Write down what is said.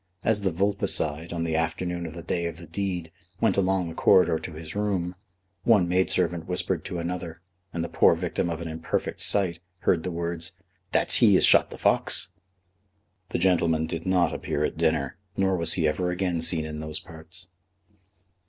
As the vulpicide, on the afternoon of the day of the deed, went along the corridor to his room, one maid servant whispered to another, and the poor victim of an imperfect sight heard the words "That's he as shot the fox!" The gentleman did not appear at dinner, nor was he ever again seen in those parts.